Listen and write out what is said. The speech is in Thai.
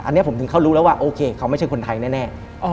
อันนี้ผมถึงเขารู้แล้วว่าโอเคเขาไม่ใช่คนไทยแน่